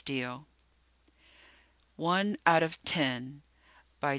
_ one out of ten _by